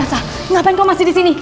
elsa ngapain kau masih disini